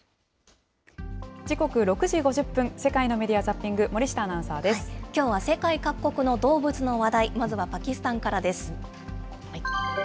時刻６時５０分、世界のメディア・ザッピング、森下アナウンきょうは世界各国の動物の話題、まずはパキスタンからです。